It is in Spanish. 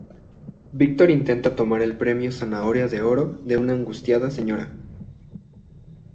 Victor intenta tomar el premio zanahoria de oro de un angustiada Sra.